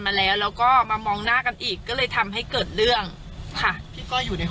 พยายามห้ามยังคะ